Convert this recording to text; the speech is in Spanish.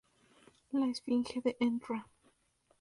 La efigie de Ntra.